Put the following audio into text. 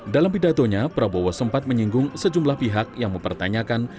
dalam pidatonya prabowo sempat menyinggung sejumlah pihak yang mempertanyakan